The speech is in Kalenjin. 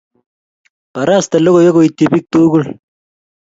Baraste logoiwek koitchi biik tugul